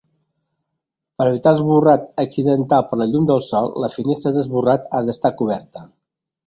Per evitar l'esborrat accidental per la llum del sol, la finestra d'esborrat ha d'estar coberta.